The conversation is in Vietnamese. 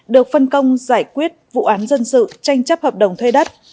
được phân công giải quyết vụ án dân sự tranh chấp hợp đồng thuê đất